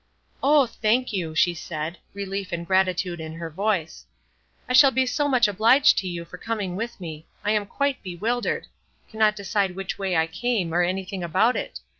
"Oh, thank you!" she said, relief and gratitude in her voice. "I shall be so much obliged to you for coming with me; I am quite bewildered; cannot decide which way I came, or anything about it.